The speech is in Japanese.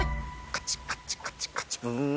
カチカチカチカチブーン。